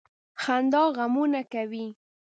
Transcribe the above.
• خندا غمونه کموي.